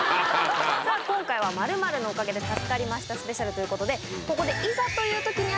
今回は○○のおかげで助かりましたスペシャルということでここで。